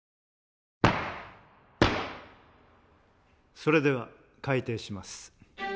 それでは開廷します。